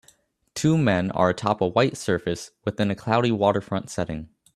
Two men are atop a white surface within a cloudy waterfront setting